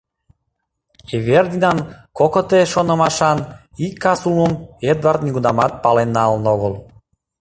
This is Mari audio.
Эвердинан кокыте шонымашан ик кас улмым Эдвард нигунамат пален налын огыл.